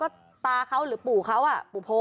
ก็ตาเขาหรือปู่เขาอ่ะปู่โพน่ะ